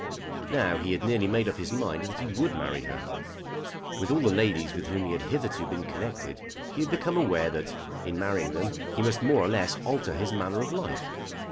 Now he had nearly made up his mind that he would marry her. With all the ladies with whom he had hitherto been connected he had become aware that, in marrying them, he must more or less alter his manner of life.